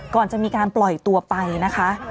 ก่อนจะมีการปล่อยตัวไปนะคะ